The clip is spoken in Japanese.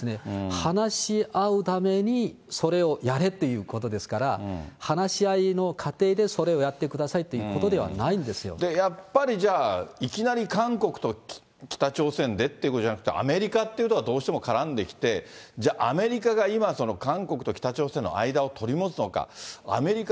話し合うためにそれをやれっていうことですから、話し合いの過程でそれをやってくださいということではないんですやっぱりじゃあ、いきなり韓国と北朝鮮でっていうことじゃなくて、アメリカっていうところがどうしても絡んできて、じゃあ、アメリカが今、韓国と北朝鮮の間を取り持つのか、アメリカ